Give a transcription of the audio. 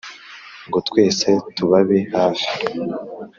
ngo twese tubabe hafi